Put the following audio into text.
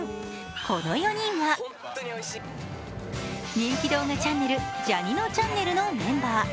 この４人は人気動画チャンネル「ジャにのちゃんねる」のメンバー。